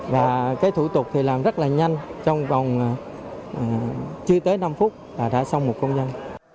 và cái thủ tục thì làm rất là nhanh trong vòng chưa tới năm phút là đã xong một công dân